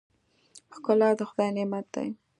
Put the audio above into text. ښکلا د خدای نعمت دی.